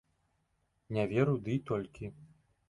Не веру ды і толькі!